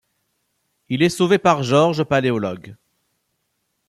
Il est sauvé par Georges Paléologue.